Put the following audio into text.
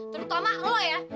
terutama lo ya